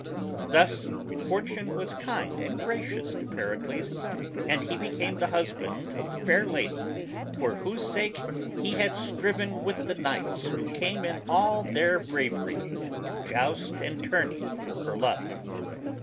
Thus Fortune was kind and gracious to Pericles, and he became the husband of the fair lady for whose sake he had striven with the knights who came in all their bravery to joust and tourney for her love.